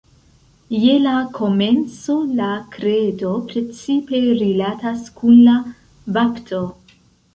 Je la komenco la Kredo precipe rilatas kun la bapto.